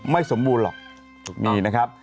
ไม่สมบูรณ์หรอกนี่นะครับ